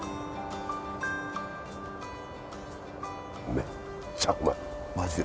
めっちゃうまい。